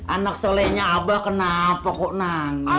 anak solehnya abah kenapa kok nangis